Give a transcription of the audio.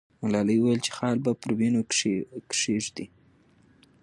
ملالۍ وویل چې خال به پر وینو کښېږدي.